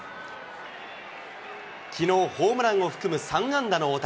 きのう、ホームランを含む３安打の大谷。